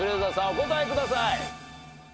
お答えください。